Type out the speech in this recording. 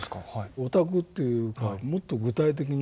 オタクというかもっと具体的に。